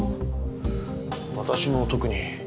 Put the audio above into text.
私も特に。